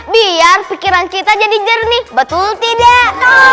biar pikiran kita jadi jernih betul tidak